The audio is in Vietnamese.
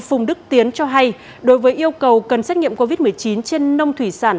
phùng đức tiến cho hay đối với yêu cầu cần xét nghiệm covid một mươi chín trên nông thủy sản